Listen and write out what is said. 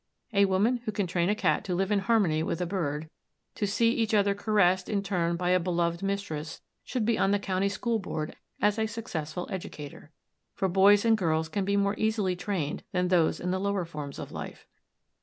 A woman who can train a cat to live in harmony with a bird, to see each other caressed in turn by a beloved mistress, should be on the county school board as a successful educator. For boys and girls can be more easily trained than those in the lower forms of life.